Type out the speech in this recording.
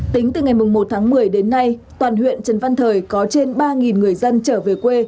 tính từ ngày một tháng một mươi đến nay toàn huyện trần văn thời có trên ba người dân trở về quê